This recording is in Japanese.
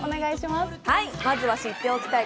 まずは知っておきたい